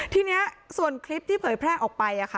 ทีนี้ส่วนคลิปที่เผยแพร่ออกไป